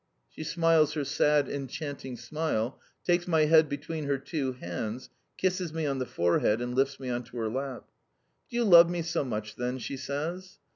She smiles her sad, enchanting smile, takes my head between her two hands, kisses me on the forehead, and lifts me on to her lap. "Do you love me so much, then?" she says.